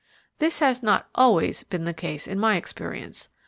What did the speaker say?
This has not 'always' been the case in my experience.